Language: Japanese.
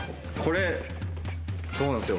「そうなんですよ。